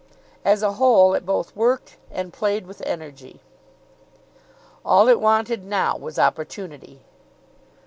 As a whole, it both worked and played with energy. All it wanted now was opportunity.